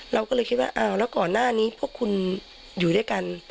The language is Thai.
เราก็เลยคิดว่าอ้าวแล้วก่อนหน้านี้พวกคุณอยู่ด้วยกัน